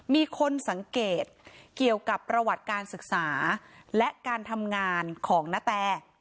มีคนสังเกตเกี่ยวกับประวัติการศึกษาและการทำงานของนาแต